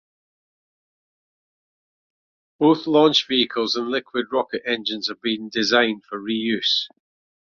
Both launch vehicles and liquid rocket engines are being designed for reuse.